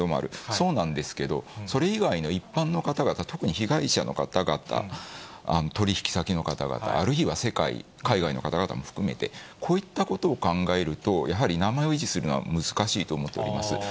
そうなんですけど、それ以外の一般の方々、特に被害者の方々、取引先の方々、あるいは世界、海外の方も含めて、こういったことを考えると、やはり名前を維持するのは難しいと思っております。